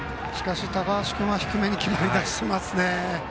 高橋君は低めに決まり出していますね。